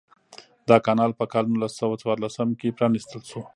دا کانال په کال نولس سوه څوارلسم کې پرانیستل شو.